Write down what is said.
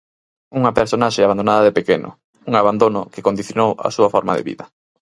Unha personaxe abandonada de pequeno, un abandono que condicionou a súa forma de vida.